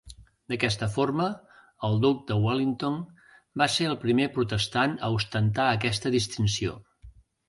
D'aquesta forma, el duc de Wellington va ser el primer protestant a ostentar aquesta distinció.